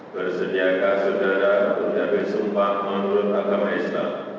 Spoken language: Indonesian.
bersediakah saudara mencapai sumpah menurut agama islam